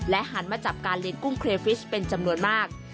หันมาจับการเลี้ยงกุ้งเครฟิชเป็นจำนวนมาก